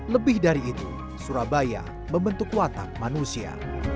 lebih dari itu surabaya membentuk watak manusia